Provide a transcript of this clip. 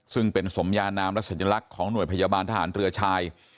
ซึ่งเป็นสมยานามและสัญลักษณ์ของหน่วยพยาบาลทหารเรือชาย